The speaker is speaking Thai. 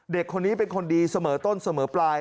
เด็กคนนี้เป็นคนดีเสมอต้นเสมอปลาย